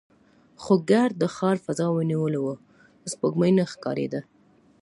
خو ګرد د ښار فضا نیولې وه، سپوږمۍ نه ښکارېده.